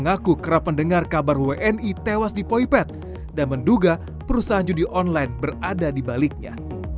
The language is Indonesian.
mengaku kerap mendengar kabar wni tewas di poipet dan menduga perusahaan judi online berada di baliknya